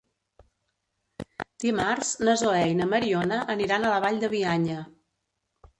Dimarts na Zoè i na Mariona aniran a la Vall de Bianya.